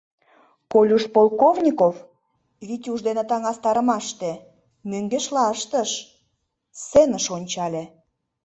Колюш Полковников, Витюш дене таҥастарымаште, мӧҥгешла ыштыш: сценыш ончале.